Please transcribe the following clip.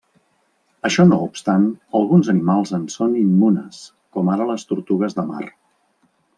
Això no obstant, alguns animals en són immunes, com ara les tortugues de mar.